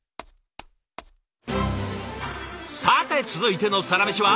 さて続いてのサラメシは？